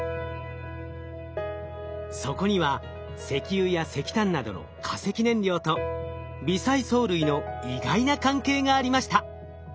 そこには石油や石炭などの化石燃料と微細藻類の意外な関係がありました。